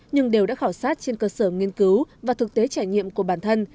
nhưng đều đã khảo sát trên cơ sở nghiên cứu và thực tế trải nghiệm của bản thân